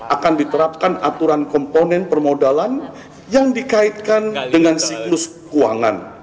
akan diterapkan aturan komponen permodalan yang dikaitkan dengan siklus keuangan